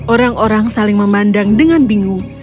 orang orang saling memandang dengan bingung